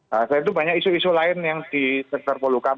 selain itu banyak isu isu lain yang disertar polukam